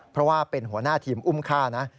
เพราะว่าเป็นหัวหน้าทีมอุ้มฆ่านะ